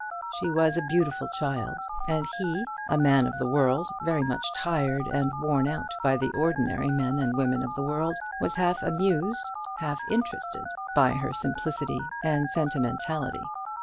She was a beautiful child; and he, a man of the world, very much tired and worn out by the ordinary men and women of the world, was half amused, half interested, by her simplicity and sentimentality.